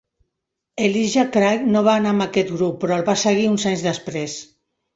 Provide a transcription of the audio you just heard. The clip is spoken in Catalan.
Elijah Craig no va anar amb aquest grup però el va seguir uns anys després.